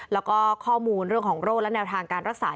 แล้วก็ข้อมูลเรื่องของโรคและแนวทางการรักษา